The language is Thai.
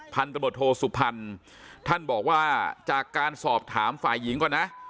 พันธบทโทสุพรรณท่านบอกว่าจากการสอบถามฝ่ายหญิงก่อนนะ